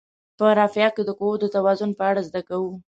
په رافعه کې د قوو د توازن په اړه زده کوو.